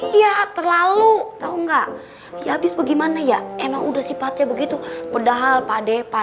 iya terlalu tahu enggak ya habis bagaimana ya emang udah sifatnya begitu padahal pak depa